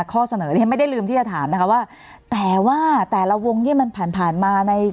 ข้อเสนอเนี่ยไม่ได้ลืมที่จะถามนะคะว่าแต่ว่าแต่ละวงที่มันผ่านผ่านมาใน